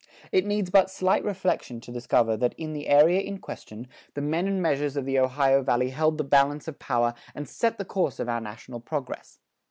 It needs but slight reflection to discover that in the area in question, the men and measures of the Ohio Valley held the balance of power and set the course of our national progress.